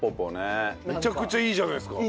めちゃくちゃいいじゃないですか。